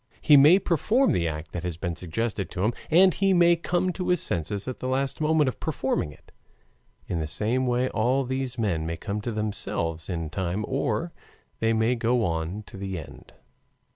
He may perform the act that has been suggested to him, and he may come to his senses at the moment of performing it. In the same way all these men may come to themselves in time or they may go on to the end.